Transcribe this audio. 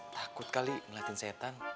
takut kali ngeliatin setan